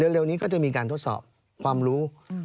เร็วนี้ก็จะมีการทดสอบความรู้